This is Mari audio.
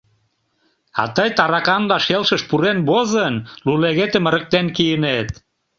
А тый, тараканла шелшыш пурен возын, лулегетым ырыктен кийынет.